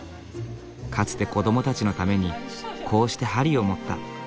かつて子どもたちのためにこうして針を持った。